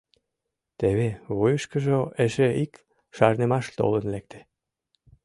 Теве вуйышкыжо эше ик шарнымаш толын лекте.